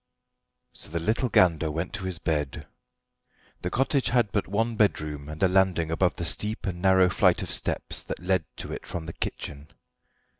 So the little Gander went to his bed. The cottage had but one bedroom and a landing above the steep and narrow flight of steps that led to it from the kitchen.